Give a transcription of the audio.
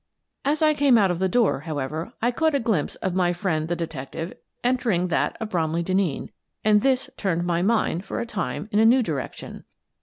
As I came out of the door, however, I caught a glimpse of my friend the detective entering that of Bromley Denneen, and this turned my mind, for a time, in a new direction.